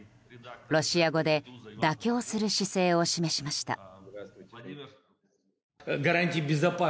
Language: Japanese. ロシア語で妥協する姿勢を示しました。